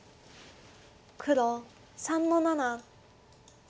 黒３の七。